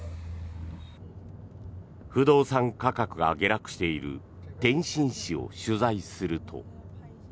不動産価格が下落している天津市を取材すると。